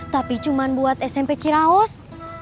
tapi cuma buat smp ciraos